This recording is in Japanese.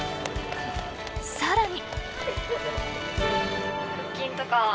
更に。